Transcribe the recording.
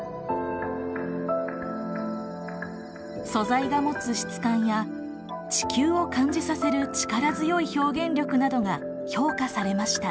素材が持つ質感や地球を感じさせる力強い表現力などが評価されました。